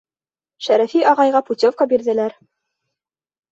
Шәрәфи ағайға путевка бирҙеләр.